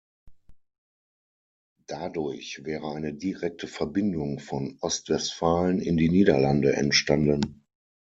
Dadurch wäre eine direkte Verbindung von Ostwestfalen in die Niederlande entstanden.